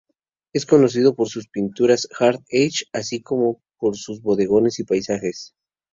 Es conocido por sus pinturas hard-edge, así como por sus bodegones y paisajes.